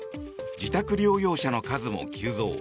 自宅療養者の数も急増。